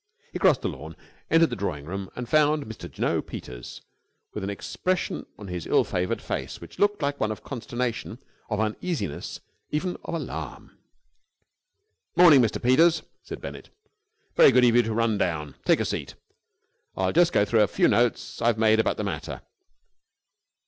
He crossed the lawn, entered the drawing room, and found Mr. Jno. Peters with an expression on his ill favored face, which looked like one of consternation, of uneasiness, even of alarm. "Morning, Mr. Peters," said Mr. Bennett. "Very good of you to run down. Take a seat, and I'll just go through the few notes I have made about the matter."